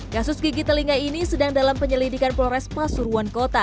kasus gigi telinga ini sedang dalam penyelidikan polres pasuruan kota